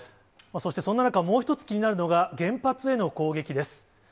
そして、そんな中、もう一つ気になるのが、原発への攻撃です。